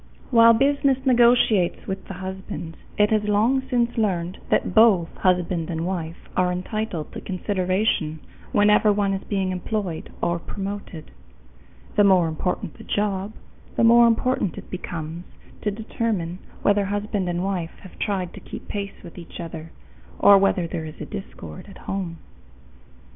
While business negotiates with the husband, it has long since learned that both husband and wife are entitled to consideration whenever one is being employed or promoted. The more important the job, the more important it becomes to determine whether husband and wife have tried to keep pace with each other, or whether there is discord at home.